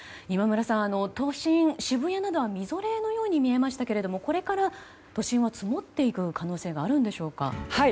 今村さん、渋谷などはみぞれのように見えましたがこれから都心は、積もっていく可能性があるんでしょうか。